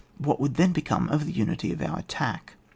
— What would then become of the unity of our attack?